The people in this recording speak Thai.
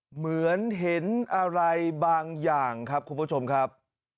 เหมือนเห็นอะไรบางอย่างครับคุณผู้ชมครับ